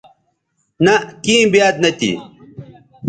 نہء کیں بیاد نہ تھی